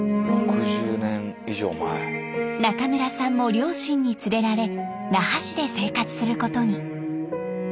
中村さんも両親に連れられ那覇市で生活することに。